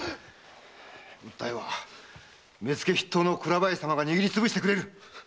訴えは目付筆頭の倉林様が握りつぶしてくれる。